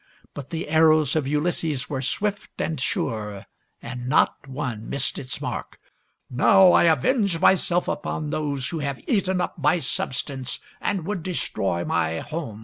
But the arrows of Ulysses were swift and sure, and not one missed its mark. " Now I avenge myself upon those who have eaten up my substance and would destroy my home